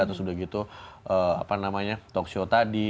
terus udah gitu apa namanya talkshow tadi